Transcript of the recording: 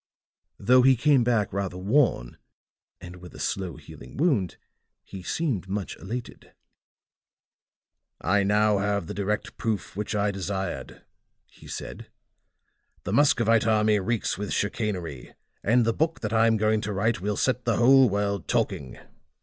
Though he came back rather worn and with a slow healing wound, he seemed much elated. "'I now have the direct proof which I desired,' he said. 'The Muscovite army reeks with chicanery; and the book that I'm going to write will set the whole world talking.'